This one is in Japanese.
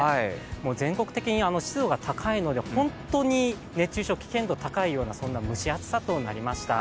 全国的に湿度が高いので本当に熱中症の危険度が高いそんな蒸し暑さとなりました。